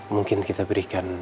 mungkin kita berikan